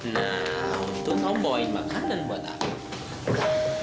nah untuk tahu mau bawain makanan buat apa